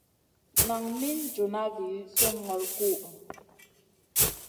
Nan min junʼna vi sùnŋolo kuhʼu.